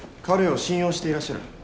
彼を信用していらっしゃる。